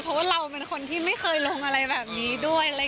เพราะว่าเราเป็นคนที่ไม่เคยลงอะไรแบบนี้ด้วย